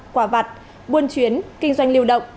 quả vặt buôn chuyến kinh doanh liều động